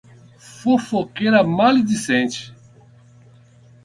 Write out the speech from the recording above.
Fofoqueira maledicente